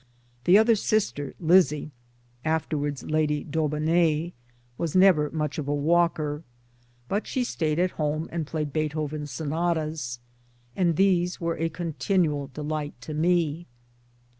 The other sister (Lizzie, afterwards Lady Daubeney) was never much of a walker ; but BRIGHTON] 33 she stayed at home and played Beethoven's Sonatas, and these were a continual delight to me.